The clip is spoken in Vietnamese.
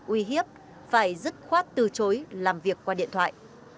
uy hiếp phải dứt khoát từ chối làm việc qua điện thoại